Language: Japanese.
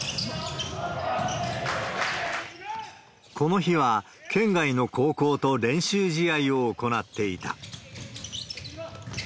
この日は、県外の高校と練習試合を行っていた。